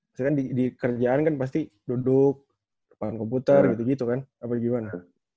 maksudnya kan di kerjaan kan pasti duduk depan komputer gitu gitu kan apa gimana